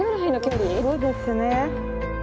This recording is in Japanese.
そうですね。